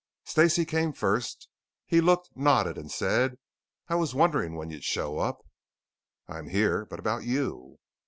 Stacey came first. He looked, nodded, and said: "I was wondering when you'd show up." "I'm here. But about you?"